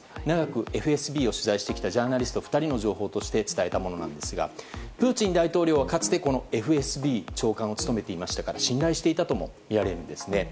長くＦＳＢを取材してきたジャーナリスト２人の情報として伝えたものなんですがプーチン大統領は、かつてこのＦＳＢの長官を務めていましたから信頼していたともみられるんです。